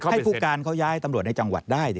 ให้ผู้การเขาย้ายตำรวจในจังหวัดได้